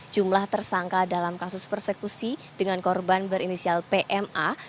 jumlah tersangka dalam kasus persekusi dengan korban berinisial pma